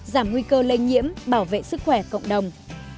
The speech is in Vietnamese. giảm nguy cơ lây nhiễm bảo vệ sức khỏe cộng đồng